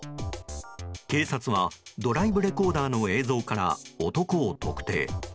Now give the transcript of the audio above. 警察はドライブレコーダーの映像から男を特定。